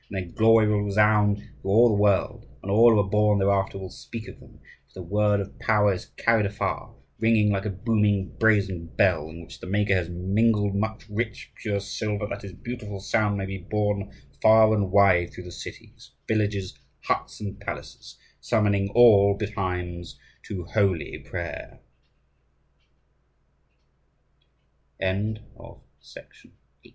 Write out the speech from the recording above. And their glory will resound through all the world, and all who are born thereafter will speak of them; for the word of power is carried afar, ringing like a booming brazen bell, in which the maker has mingled much rich, pure silver, that is beautiful sound may be borne far and wide through the cities, villages, huts, and palaces, summoning